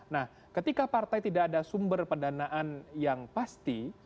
nah ketika partai tidak ada sumber pendanaan yang pasti